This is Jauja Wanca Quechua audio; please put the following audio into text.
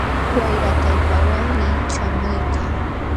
Wayra kallpawanmi ćhaamuykan.